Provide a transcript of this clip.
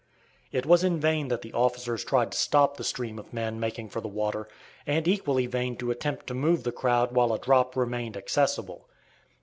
It was in vain that the officers tried to stop the stream of men making for the water, and equally vain to attempt to move the crowd while a drop remained accessible.